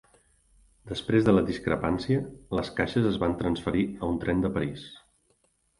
Després de la discrepància, les caixes es van transferir a un tren de París.